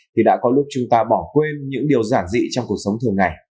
thì đã có lúc chúng ta bỏ quên những điều giản dị trong cuộc sống thường ngày